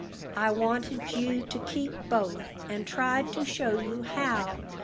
I wanted you to keep both, and tried to show you how.